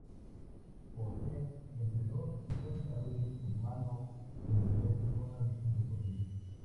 Posee entre dos y cuatro carriles por mano en diferentes zonas de su recorrido.